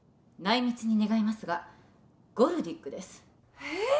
内密に願いますがゴルディックですえ